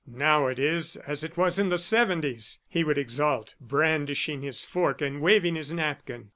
"Now it is as it was in the '70's," he would exult, brandishing his fork and waving his napkin.